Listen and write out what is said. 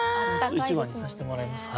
一番にさせてもらいます。